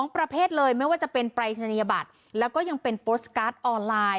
ประเภทเลยไม่ว่าจะเป็นปรายศนียบัตรแล้วก็ยังเป็นโพสต์การ์ดออนไลน์